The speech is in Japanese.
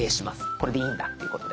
これでいいんだっていうことで。